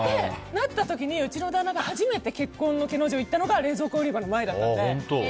うちの旦那が初めて結婚の「け」の字を言ったのが冷蔵庫売り場の前だったので。